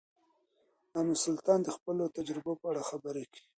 ام سلطان د خپلو تجربو په اړه خبرې کړې.